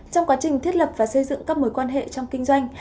trong quá trình thiết lập và xây dựng các mối quan hệ trong kinh doanh